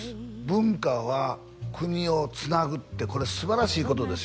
文化は国をつなぐってこれすばらしいことですよね